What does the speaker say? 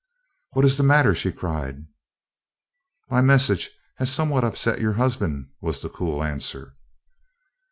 "What is the matter?" she cried. "My message has somewhat upset your husband," was the cool answer.